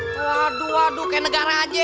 waduh waduh kayak negara aja